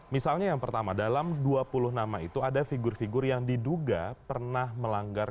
misalnya yang pertama dalam dua puluh nama itu ada figur figur yang diduga pernah melanggar